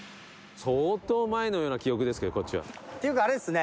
相当前のような記憶ですけどこっちは。っていうかあれですね。